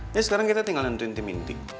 ya sekarang kita tinggal nuntuin tim inti